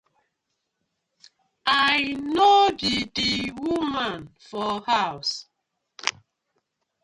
I no bi di woman for haws.